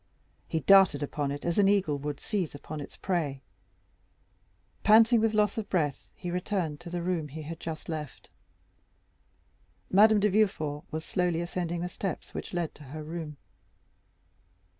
He darted upon it as an eagle would seize upon its prey. Panting with loss of breath, he returned to the room he had just left. Madame de Villefort was slowly ascending the steps which led to her room.